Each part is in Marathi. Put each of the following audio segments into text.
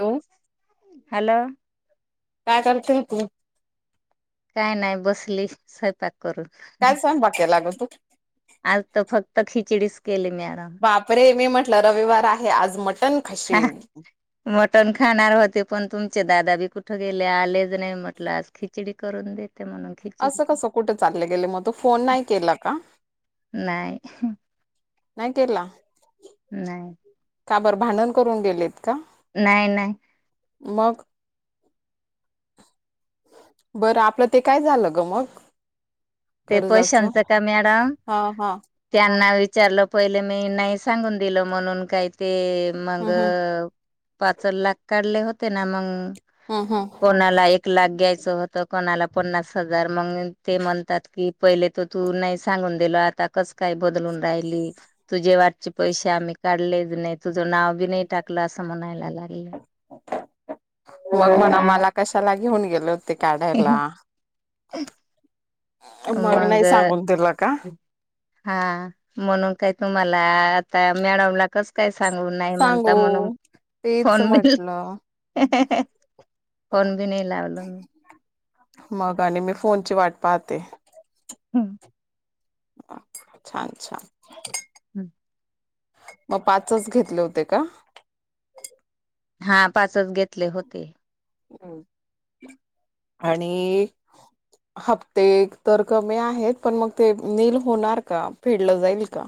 Hello hello. काय करते तू. काय नाय बसले स्वयंपाक करून काय सांग [unintelligible] [inaudible] आज तर फक्त खिचडीसं बापरे मी म्ह रविवार आहे आज मट हा मटण खाणार होते पण तुमचे. दादा बी कुठं गेले आलेच नाही म्हटलं आज खिचडी करून दे असं कसं कुठे चाले गेले मग तू फोन नाही केला का? नाही नाही केला. नाही. का बर भांडणं करून गेलेत का? नाई नाई. मग. बरं आपलं ते काय झालं गं मग? ते पण कर्जाचं शांतत्या मॅडम हा हा त्यांना वि विचारलं पहिल मी नाही सांगून दिलं म्हणून काय ते. ते मग. हम् हम् पाच लाख काढले होते, ना मंग. हम् हम् कोणाला एक लाख घ्यायचं होत. कोणाला. पन्नास हजार मग ते म्हणतात. कि पहिले तो तू नाही सांगून दिल आता कस काय बदलून राहिली, तुझे वाटचे पैसे आम्ही काढलेच नाही तुझं नाव बी नाही टाकलं असं म्हणायलल्यात. [inaudible] आम्हाला कशाला घेऊन गेलत? ते काढायला. मग नाही सांगून दिलं का हा म्हणून काय तुम्हाला. आपल्या आता मॅडमला कस काय. सांगू नाही म्हणता म्हणून सांगू तेच फोन मिल म्हटलं ह्या मग आणि मी फोनची वाट पाहते. ह हा छान छान. हम्म मग पाचच घेतले होते का. हा पाचच घेतले होते. ह आणि हप्ते तर कमी आहेत. पण मग ते नील होणार का फेडलं जाईल का.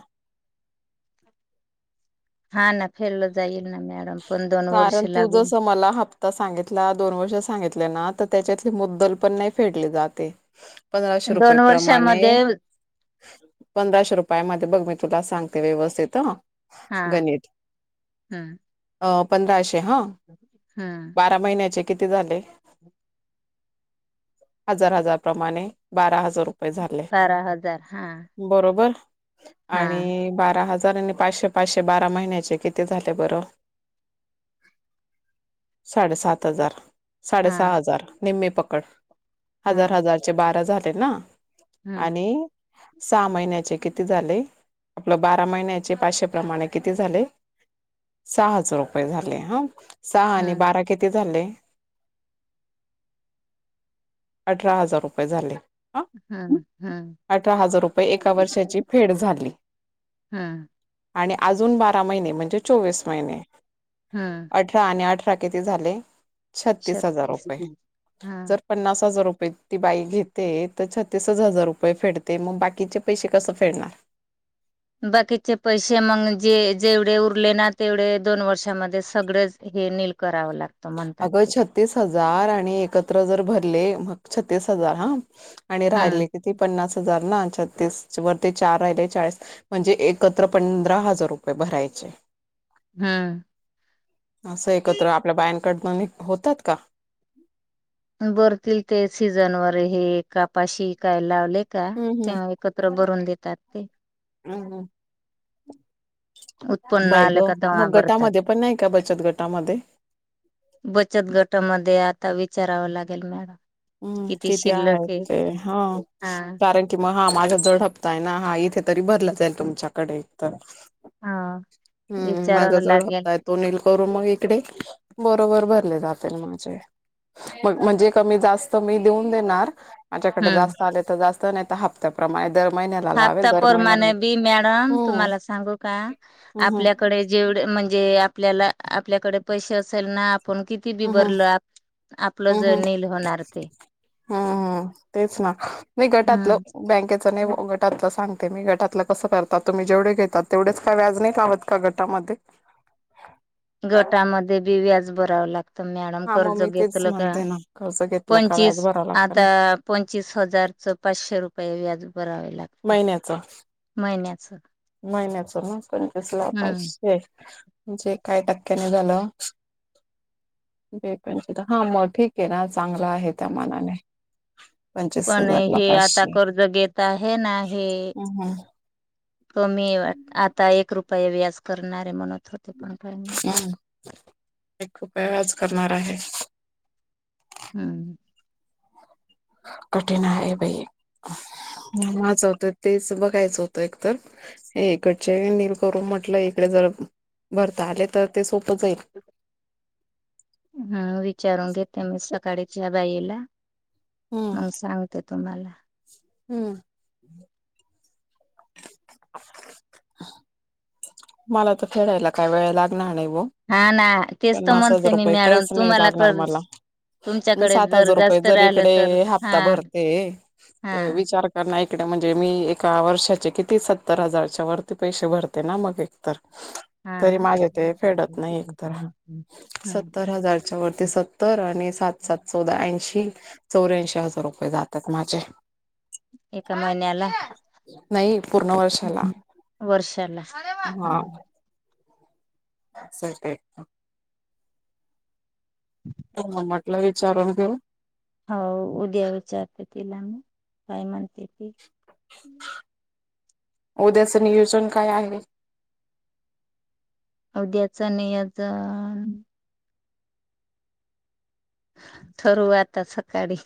हा ना फेरल जाईल. ना मॅडम पण दोन वर्ष कारण तू लागून जस मला हप्ता सांगितला दोन वर्ष सांगितले ना. त्याच्यातली मुद्दल पण नाही फेडली जातेय. पंधराशे रुपये दोन प्रमाणे वर्षामध्ये पंधराशे रुपया मध्ये बघ म तुला सांगते व्यवस्थित ह. हा गणित हम्म. अ पंधराशे. हा बारा महिन्याचे. किती झाले हजार हजार, प्रमाणे बारा हजार. जर रुपय झाले बारा हजार हा बरोबर. हा आणि बारा हजार. हार पाचशे पाचशे, बारा महिन्याचे किती झाले बरं. साडे सात हजार. साडे हा हा सहा हजार. निम्मे पकड हा हजार हजारचे बारा झाले ना हा आणि सहा महिन्याचे किती झाले आपलं बारा महिन्याचे पाचशे प्र्माणे किती झाले सहा हजार रुपये झाले हा सहा हा आणि बारा किती झाले अठरा हजार रुपये झाले ह हा अठरा हजार रुपये एका वर्षाची फेड झाली हा आणि अजून बारा महिने म्हणजे चोवीस महिने हा अठरा आणि अठरा शकती झाले छत्तीस हजार रुपये हा जर पन्नास हजार रुपय ती बाई घेते तर छत्तीस हजार रुपये फेडते मग बाकीचे पैसे कसे फेडणार बाकीचे पैसे मग जे जेवढे उरले ना तेवढे दोन वर्षामध्ये सगळेच हे निल अग छतीस हजार आणि एकत्र जर भ मग छतीस हजार हा आणि राहिली हम्म कितीी पन्नास हजार छत्तीस वरती चार राहिले चाळीस म्हणजे एकत्र पंधरा हजार रुपये भरायचे हम्म असं एकत्र आप आपल्या बायानकड दन होतात का बरतील ते सीझन वर हे कापाशी कायला का हम्म तेव्हा एकत्र बरून देतात ते हम् हम् उत्पन्न आलं ग का द मग बरतात गटामध्ये पण नाही का बचत गटामध्ये बचत गटामध्ये आता चरावं लागेल मॅडम हम्म किती आहेत शिल्लक ते आहे ह हा कारण की मग हा माझा ज हप्ता आहे ना हा इथे तरी भरलं जाईल तुमच्याकडे तर हा हम्म माझा विचारावं लागेल चडप्ता आहे तोनील करू मग इकडे बरोबर भर ण त मी देऊन देणार माझ्याकडे हम्म जास्त आले तर जास्त हप््या प्र्रमाणे हप्ता परमाणे बी मॅडम हम्म तुम्हाला सांगू का हम्म आपल्याकडे जेवढ म्हणजे. जे आपल्याला आपल्याकडे पैसे असेल ना. आपण किती बी हम्म् भरलं आप आपलं हम्म जनील होणार ते हम् तेच ना म गटातलं हम्म बँकेत. गटात सांगते मी गटातलं कसं करता तुम्ही जेवढे घेतात तेवढेच काय व्याज नाही लावत का तुम्ही गटामध्ये. गटामध्ये बी व्याज. भराव लागते. आ मॅडम हा मग कर्ज मी तेच घेतलं का म्हणते ना कर्ज घेतलं का व्याज पंचवीस भरावं लागतं आता ना पंचवीस हजारच पाचशे रुपए. पवीज महिन्याच महिन्याच महिन्याच मग पंचवीस ला हम्म पाचशे म्हणजे काय टक्के ने झालं बे पं हा मग ठीक आहे ना चांगलं आहे त्या मनाने पण हे आता कर्ज घेत आहे. हे ना-हे हम्म कमी आता एक. रुपये व्याज करणारे म्हणून. हम [unintelligible] करणार आहे. हम्म कठीण आहे बाई [unintelligible] मी माझं होतं तेच बघायचं होतं एकतर इकडचे नील करून म्हटलं इकडे जर भरता आले तर ते खूप [unintelligible] हम विचारुन घेते मी [unintelligible] [unintelligible] बाईला हम्म आं सांगते तुम्हाला हम्म. मला तर फेडायला काय वेळ लागणारे. हा ना तेच तर पन्नास म्हणते हजार मी रुपये मॅडम काहीच नाही तुम्हाला लागणार कर मला मी तुमच्याकडे सात जर हजार रुपये जास्त जर राहिलं इकडे तर हा हप्ता भरतेये हा तर विचार कर. [unintelligible] म्हणजे मी एका वर्षाचे किती सत्तर हजारच्या वरती पैसे भरते ना म ते एकतर हा तरी ना. माझे ते फेडत नाही एकतर. सत्तर हजारच्या वरती सत्तर आणि [unintelligible] सात सात चौदा ऐंशी चौऱ्यांशी हजार रुपये जातात माझे. एका महिन्याला नाही पूर्ण वर्षाला -वर्षाला हा [unintelligible] ह म्हटलं विचारून घेऊ हो उद्या विचारते तिला मी, काय म्हणते ती. उद्याच नियोजन काय आहे उद्याच नियोजन ठरवू आता सकाळी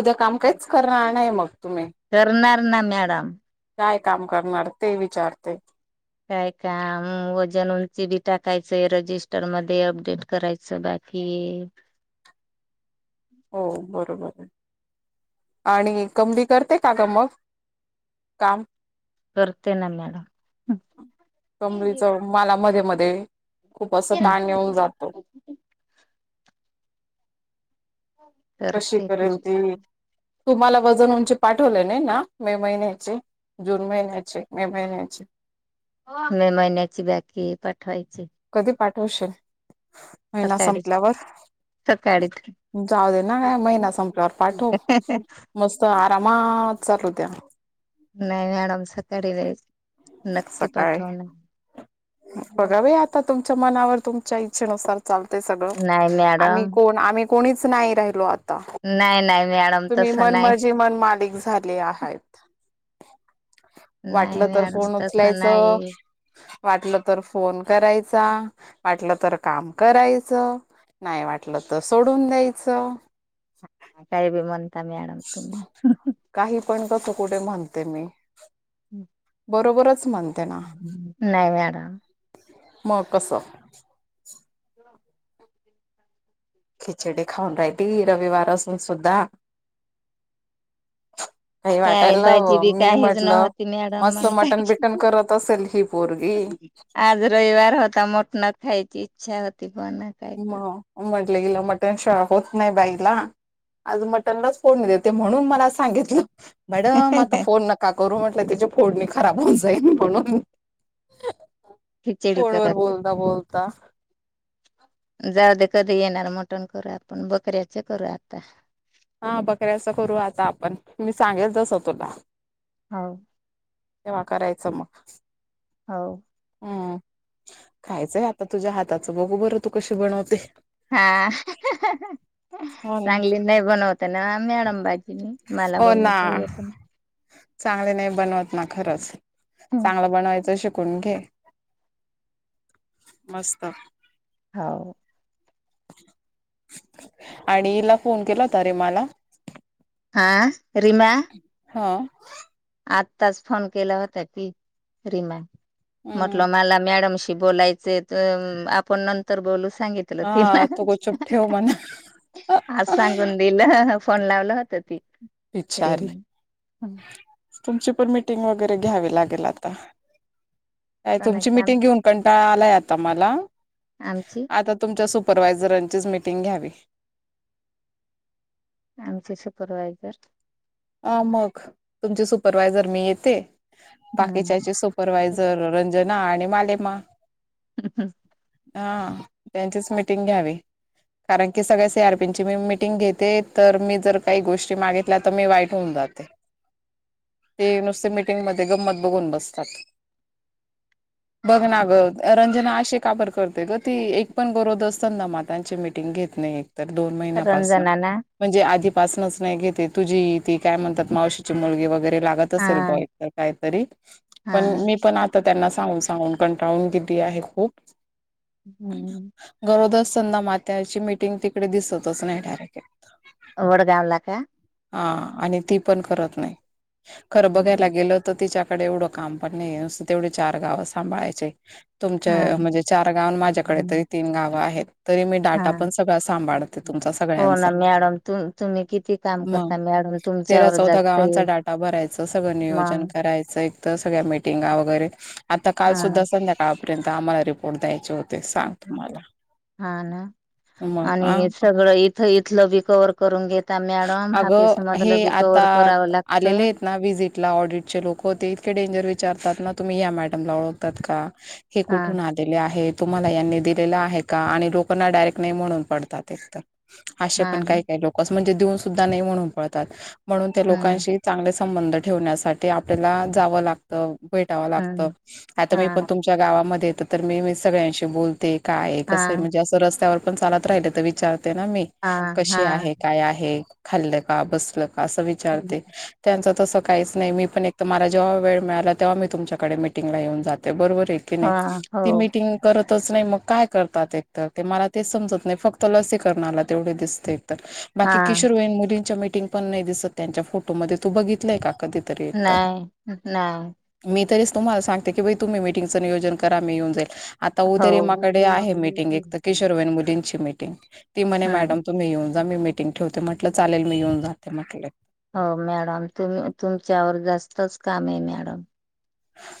उद्या काम काहीच [unintelligible] नाही मग तुम्ही [unintelligible] ना मॅडम काय काम करणार ते विचारते काय काम वजन उंची बी टाकायचंय रजिस्टर मध्ये अपडेट करायचं बाकी एक हो बरोबर आणि [unintelligible] करते का ग मग काम करते ना मॅडम कमळीच मला मध्ये मध्ये [inaudible] [inaudible] खूप असं ताण येऊन जातो कशी करते करेल ती तुम्हाला वजन उंची पाठवले नाही ना मे महिन्याचे जून महिन्याचे मे महिन्याचे उठवायचे कधी पाठवशील महिना संपल्यावर सकाळी जाऊ दे ना काय महिना संपल्यावर पाठव मस्त क्रमाात चालू होत्या नाही मॅडम सकाळी नाहीच नक्की पाठवणे बघावे आता तुमच्या मनावर तुमच्या इच्छेनुसारल चालतय सगळं नाही आम्ही मॅडम कोण आम कोणीच नाही राहिलो आता नाही नाही मॅडम तुम्ही तसं नाही मनमजी मन मालिक झाले आहेत नाही वाटलं तर मॅडम फोन तसं उचलायचं नाही वाटलं तर फोन करायचा वाटलं तर काम करायचं नाही वाटलं तर सोडून द्यायचं ह काय भ म मॅडम तुमही काही पण कसं कुठे म्हणते मी हम्म बरोबर नाही मॅडम म कस खिचडी खाऊन राहिती रविवार असून सुद्धा काही काय वाटायला बाजी बी हवं. मी काहीच म्हटलं नव्हती आणि मॅडम मस्त मंग काय, मटण बिटण करत असेल ही पोरगी आज रविवार होता मोठण खायची छ तिको नाय काय कर मटन शा होत नाही बाईला आज मटनलाच फोन देते म्हणून मला सांगितलं मॅडम आता फोन नका करू म्ह ल त्यजी फोडणी खराब होऊन जाई म्हणून खिचडी फोन वर करत बोलता बोलता जाऊ दे कधी येणार मटण करूया आपण. बकऱ्याचं करू आता. हा बकऱ्या असं करू आता आपण मी सांगेल तसं तुला. हो. तेव्हा करायचं मग. हो. हम खायचंय आता तुझ्या हाताचं बघू बरं तू कशी बनवते? हा हो ना. चांगली नाही बनवते ना? म्यॅड बा हो ना. चांगली नाही बनवत ना खरंच. नाही चांगलं बनयचं शिकून घे. मस्त. हो. आणिला फोन केला होता रे मला. आा रिमा हा आत्ताच फोन केला होता की रिमा हम्म. म्हटलं मला मॅडमशी बोलायचे तर आपण नंतर बोलू शक सांगितलं तिला, हा तू गपचूप ठेव म्हणा आज सांगून दिलं फोन लावलं होतं ती री बिचारी. ना ह तुमची पण मीटिंग वगैरे घ्यावी लागेल आता. का तुमची कोणाची आम मिटिंग घेऊन कंटाळा आलाय तम्हाला आमची आता तुमच्या सुप सुपरवायझरांचीच मिटिंग घ्यावी. आमचे सुपरवायझर ह मग तुमची सुपरवायझर मी येते. हम्म बाकीच्याची सुपरवायझर रंजना आणि माले म हम हम हा त्यांचीच मिटिंग घ्यावी. कारण की सगळ्या सी आरपीनचीं मी मिटिंग घेते तर मी जर काही गोष्टी मागितल्या तर मी वाईट होऊन जाते. ते नुसते मिटिंग मध्ये गंमत बघून बसतात. बघ ना ग रंजना अशी का बरं करते गं ती? एक पण गोरोद असत ना मातची मीटिंग घेत नाहीये. दोन महिन्यापासून रंजनाना म्हणजे आधीपासनच नाही घेते तुझी. ती कायणतात मावशीची मुलगी वगैरे. हा हा [unintelligible] टउन किती आहे खूप. हम्म! संंदा मात्याची मीटिंग तिकडे दिसतच नाहीायर. वडगावला का हां! आणि ती पण करत नाही. खरं बघायला हा गेलं तर तिच्या. कडे एवढं काम पण नाही न तेवढी चार गावं सांभाळायचे. तुमच म्हणजे चार गाव माझ्याकडे तरी तीन गावं आहेत. तरी मी हा डाटा पण सगळा सांभाळते तुमचा हो सगळ्यांचा ना मॅडम त तुम्ही किती काम मग करता म. तेरा चौदा गावांचा डाटा भरायचं सगळं नियोजन मग करायचं एक. तर सगळ्या मिटिंगा वगैरे. आता काल हा सुुद्धा संध्याकाळपर्यंत. आम्हाला रिपोर्ट द्यायचे होते सांग तुम्हाला. हा ना मग आ आणि सगळं इथ. मी कवर करून घेत. अग हे आता करावं आलेले लागतं आहेत ना विजिटला ऑडिटचे लोक इतके डेंजर विचारतात ना. तुम्ही या मॅडम ला ओळखतात का. हे हा कुठून आलेले आहेत. तुम्हाला यांनी दिलेला आहे का आणि लोकांना डायरेक्ट नाही म्हणून पडतात तर. असे हा पण ना काही काय लोक. म्हणजे देऊन सुद्धा नाही म्हणून पळतात. म्हणून त्या हं लोकांशी चांगल्या. संबंध ठेवण्यासाठी आपल्याला जावं लागतं. भेटाव लागत हं आता मी पण हां तुमच्या गावामध्ये येत. तर मी मी सगळ्यांशी बोलते. काय कसं आहे हां म्हणजे असं रस्त्यावर. पण चालत राहि विचार. ना मी हां कशी हां आहे. आहे खाल्लं का बसल. अस हं, विचारते त्यांच तसं काहीच नाही मी पण एक म. जेव्हा वेळ मिळाला तेव्हा मी तुमच्याकडे मीटिंगला येऊन जाते बरोबर हां हो ती मीटिंग करत च नाही मग काय करतात एकतर ते मला ते समजत नाही फक्त लसीकरणाला तेवढे दिसते एकत बाकी हां किशोर वईन मुलींच्या टिंग पण नाही दिसत त्यांच्या फोटो मध्ये तू बघितलाय का कधीतरी एकतर नाही नाही तुम्हा सांगते की तुम्ही मिटिंगचं नियोजन करा म येऊ जाईल आता हो. उदरी माकडे आहे मिटिंग एक तर किशोर वाईन मुलींची मिीटिंग ओक ती म्हणे हं मॅडम तुम्ही येऊन मी मि [unintelligible] मिटिंग ठेवते म्हटलं चालेल, मी येऊन जाते म्हटले हो मॅडम तुम, तुमच्यावर जास्तच काम आहे, मॅडम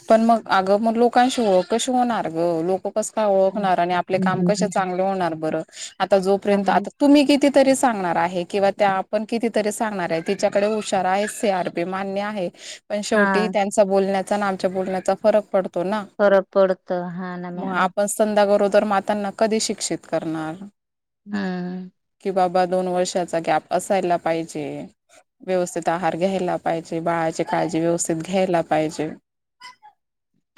पण मग अगं मग लोकांशी कशी होणार ग लोकं कस काय ओळखणार आणि, आपले काम कसे चांगले होणार बरं? ह [unintelligible] आता जोपर्यंत, हं, आता तुम्ही किती क तरी सांगणार आहे किंवा त्या आपण कितीतरी सांगणार आहे तिच्याकडे हुशार आहे सी आरपी मान्य आहे. पण शेवटी हां त्यांचा बोलण्यात त्याचा आमच्या बोलण्याचा फरक पड फरक पडतो, हा ना मॅडम तर मातांना कधी शिक्षित करणार? हा कि बाबा दोन वर्षाचा गॅप असायला पाहिजे, व्यवस्थित आहार घ्यायला पाहिजे बाळाची काळजी व्यवस्थित घ्यायला पाहिजे.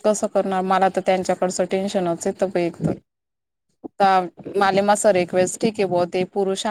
कस करणार मला तर त्यांच्याकडच टेन्शनच येत बाई एकदम मालेमसारे एक वेळेस ठीक आहे बाॅ ते पुरुष